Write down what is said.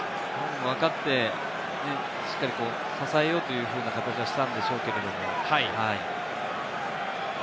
わかって支えようという形はしたんでしょうけれど。